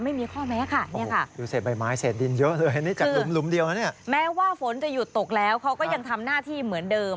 ไม่มีข้อแม้ค่ะนี้ค่ะแม้ว่าฝนจะหยุดตกแล้วเขาก็ยังทำหน้าที่เหมือนเดิม